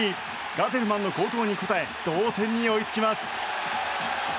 ガゼルマンの好投に応え同点に追いつきます。